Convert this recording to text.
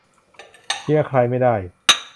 เชียร์ใครไม่ได้